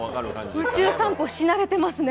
宇宙散歩し慣れてますね。